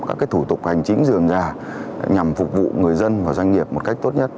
các thủ tục hành chính dường ra nhằm phục vụ người dân và doanh nghiệp một cách tốt nhất